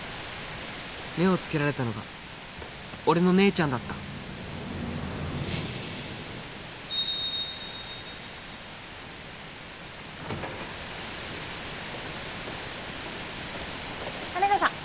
目をつけられたのが俺の姉ちゃんだった羽田さん